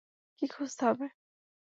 কী খুঁজতে হবে?